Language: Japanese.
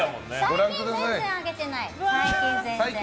最近、全然挙げてない。